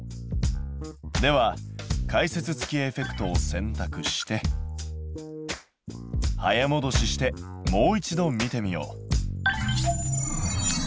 では解説付きエフェクトを選たくして早もどししてもう一度見てみよう。